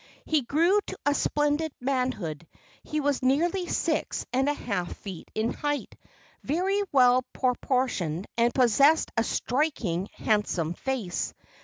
He grew to a splendid manhood. He was nearly six and a half feet in height, was well proportioned, and possessed a strikingly handsome face.